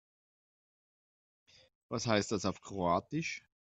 Was heißt das auf Kroatisch?